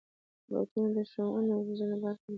بوټونه د ښوونې او روزنې برخه دي.